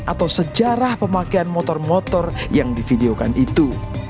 atau sejarah pemakaian motor motor yang divideokan itu